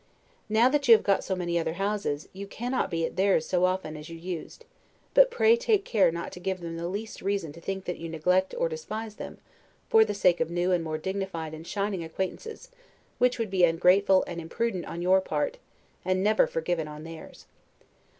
Now, that you have got so many other houses, you cannot be at theirs so often as you used; but pray take care not to give them the least reason to think that you neglect, or despise them, for the sake of new and more dignified and shining acquaintances; which would be ungrateful and imprudent on your part, and never forgiven on theirs.